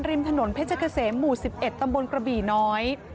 ริมถนนเพชรเกษมหมู่๑๑ตำบลกระบี่น้อย